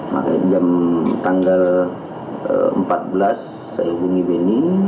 jadi jam tanggal empat belas saya hubungi benny